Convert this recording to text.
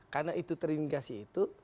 karena itu terindikasi itu